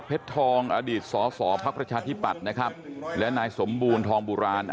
เพชรทองอดีตสสพระประชาธิบัตินะครับและนายสมบูรณ์ทองบุราณ